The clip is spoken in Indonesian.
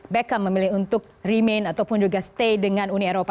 beckham memilih untuk remain ataupun juga stay dengan uni eropa